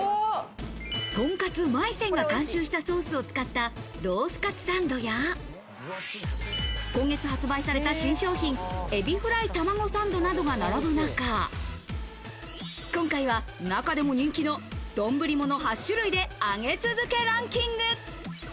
とんかつまい泉が監修したソースを使ったロースカツサンドや、今月発売された新商品・エビフライタマゴサンドなどが並ぶ中、今回は中でも人気の丼もの８種類で上げ続けランキング。